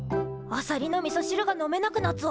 あさりのみそしるが飲めなくなっぞ！